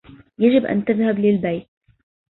يجب ان تذهب للبيت ؟